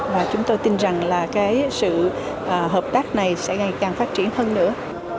và chúng tôi tin rằng sự hợp tác này sẽ ngày càng phát triển hơn nữa